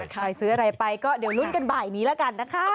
ใครซื้ออะไรไปก็เดี๋ยวลุ้นกันบ่ายนี้แล้วกันนะคะ